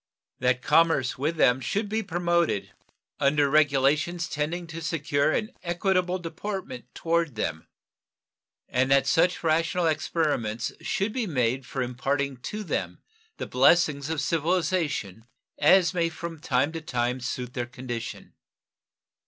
That commerce with them should be promoted under regulations tending to secure an equitable deportment toward them, and that such rational experiments should be made for imparting to them the blessings of civilization as may from time to time suit their condition.